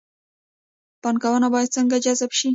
پانګونه باید څنګه جذب شي؟